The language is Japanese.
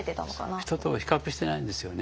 人と比較してないんですよね。